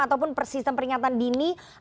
ataupun peringatan dini